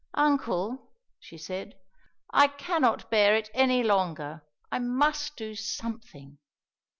"Uncle," she said, "I cannot bear it any longer, I must do something."